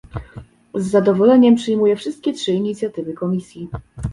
Z zadowoleniem przyjmuję wszystkie trzy inicjatywy Komisji